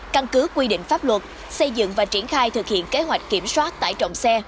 căn cứ quy định pháp luật xây dựng và triển khai thực hiện kế hoạch kiểm soát tải trọng xe